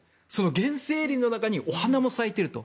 原生林の中にお花も咲いていると。